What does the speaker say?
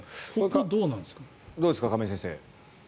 どうですか、亀井先生。